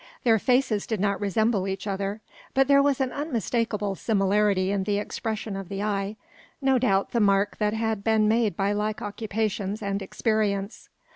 Their faces did not resemble each other; but there was an unmistakable similarity in the expression of the eye; no doubt, the mark that had been made by like occupations and experience.